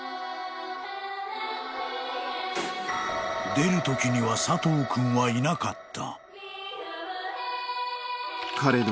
［出るときには佐藤君はいなかった］